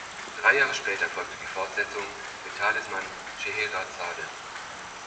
Drei Jahre später folgte die Fortsetzung mit "Talisman Scheherazade".